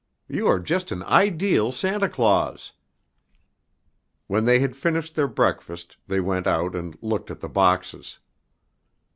You are just an ideal Santa Claus." When they had finished their breakfast they went out and looked at the boxes.